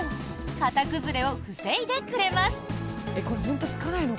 形崩れを防いでくれます。